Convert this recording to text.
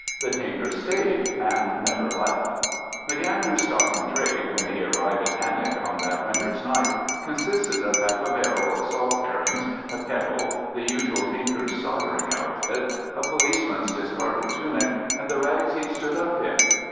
The tinker stayed and never left. M'Andrew's stock in trade, when he arrived at Annagh on that winter's night, consisted of half a barrel of salt herrings, a kettle, the usual tinker's soldering outfit, a policeman's discarded tunic, and the rags he stood up in.